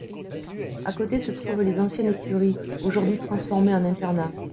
À côté se trouvent les anciennes écuries, aujourd'hui transformées en internat.